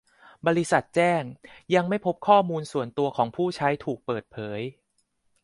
บริษัทแจ้งยังไม่พบข้อมูลส่วนตัวผู้ใช้ถูกเปิดเผย